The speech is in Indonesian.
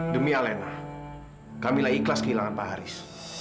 demi alena kamilah ikhlas kehilangan pak haris